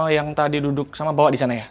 yang tadi duduk sama bawa disana ya